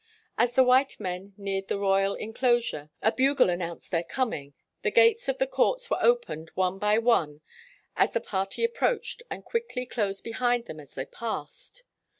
As the white men neared the royal en closure, a bugle announced their coming, the gates of the courts were opened one by one as the party approached, and quickly closed behind them as they passed.